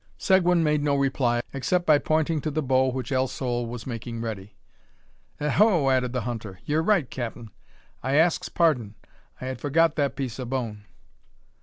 Seguin made no reply, except by pointing to the bow which El Sol was making ready. "Eh ho!" added the hunter; "yer right, capt'n. I asks pardon. I had forgot that piece o' bone."